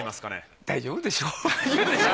大丈夫でしょう。